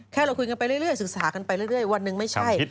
เราคุยกันไปเรื่อยศึกษากันไปเรื่อยวันหนึ่งไม่ใช่